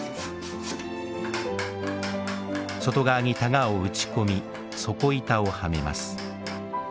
外側に箍を打ち込み底板をはめます。